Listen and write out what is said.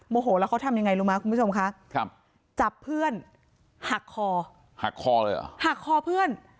โหแล้วเขาทำยังไงรู้ไหมคุณผู้ชมคะครับจับเพื่อนหักคอหักคอเลยเหรอหักคอเพื่อน